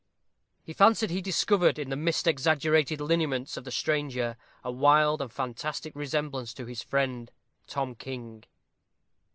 He fancied he discovered in the mist exaggerated lineaments of the stranger a wild and fantastic resemblance to his friend Tom King.